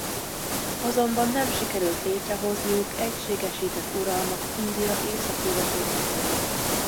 Azonban nem sikerült létrehozniuk egységesített uralmat India északnyugati részén.